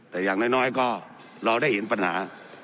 แต่อย่างน้อยก็เราได้เห็นปัญหา